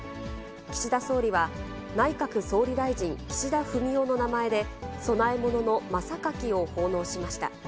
岸田総理は、内閣総理大臣岸田文雄の名前で供え物の真榊を奉納しました。